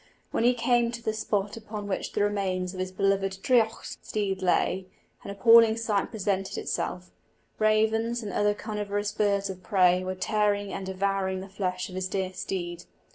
When he came to the spot upon which the remains of his beloved draoidheacht steed lay, an appalling sight presented itself; ravens and other carnivorous birds of prey were tearing and devouring the flesh of his dear steed.